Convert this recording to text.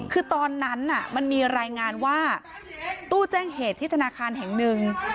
คือตอนนั้นมันมีรายงานว่าตู้แจ้งเหตุที่ธนาคารแห่งหนึ่ง